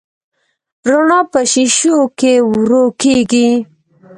رڼا په شیشو کې ورو کېږي.